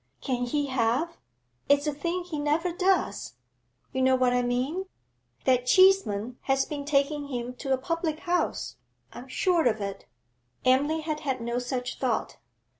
'Can he have It's a thing he never does! You know what I mean? That Cheeseman has been taking him to a public house; I am sure of it.' Emily had had no such thought.